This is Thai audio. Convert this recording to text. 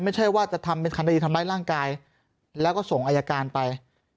ไม่ใช่ว่าจะทำเป็นคดีทำร้ายร่างกายแล้วก็ส่งอายการไป